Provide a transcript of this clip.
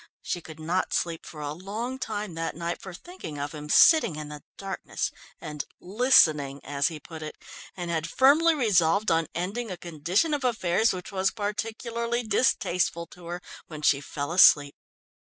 She could not sleep for a long time that night for thinking of him sitting in the darkness, and "listening" as he put it, and had firmly resolved on ending a condition of affairs which was particularly distasteful to her, when she fell asleep.